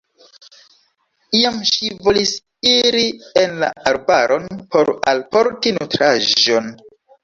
Iam ŝi volis iri en la arbaron por alporti nutraĵon.